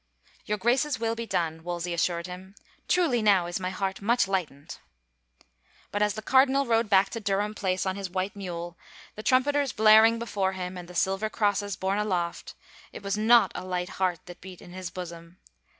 " Your Grace's will be done," Wolsey assured him. Truly now is my heart much lightened." But as the cardinal rode back to Durham Place on his white mule, the tnunpeters blaring before him and the silver crosses borne aloft, it was not a light heart that beat in his bosom.